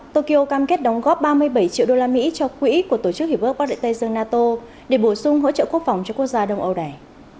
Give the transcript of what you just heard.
tokyo cam kết đóng góp ba mươi bảy triệu đô la mỹ cho quỹ của tổ chức hiệp ước quá trị tây dương nato để bổ sung hỗ trợ quốc phòng cho quốc gia đông âu này